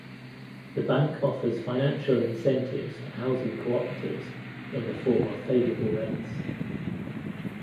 The bank offers financial incentives to housing cooperatives in the form of favorable rates.